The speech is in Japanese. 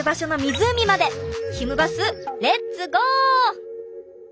ひむバスレッツゴー！